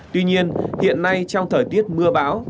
tuy nhiên hiện nay trong thời tiết mưa bão